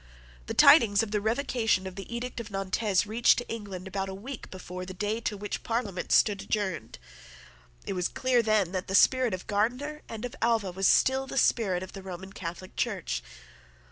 The tidings of the revocation of the edict of Nantes reached England about a week before the day to which the Parliament stood adjourned. It was clear then that the spirit of Gardiner and of Alva was still the spirit of the Roman Catholic Church.